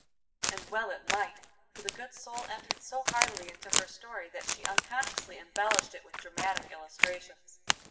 And well it might, for the good soul entered so heartily into her story that she unconsciously embellished it with dramatic illustrations.